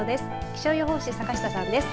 気象予報士、坂下さんです。